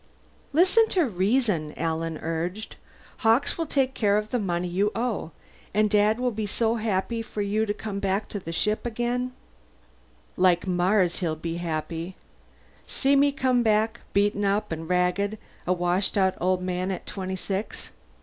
"Listen to reason," Alan urged. "Hawkes will take care of the money you owe. And Dad will be so happy to see you come back to the ship again " "Like Mars he'll be happy! See me come back, beaten up and ragged, a washed out old man at twenty six?